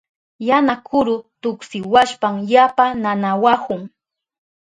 Yana kuru tuksiwashpan yapa nanawahun.